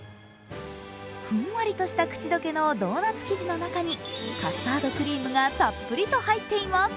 ふんわりとした口溶けのドーナツ生地の中にカスタードクリームがたっぷりと入っています。